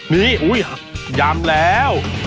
นี่อุ๊ยยำแล้ว